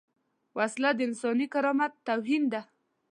وسله د انساني کرامت توهین ده